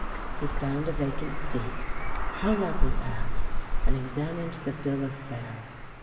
He found a vacant seat, hung up his hat, and examined the bill of fare.